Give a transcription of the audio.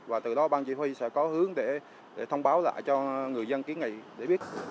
và từ đó bang chỉ huy sẽ có hướng để thông báo lại cho người dân ký ngay để biết